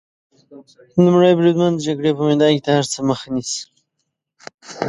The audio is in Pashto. لومړی بریدمن د جګړې په میدان کې د هر څه مخه نیسي.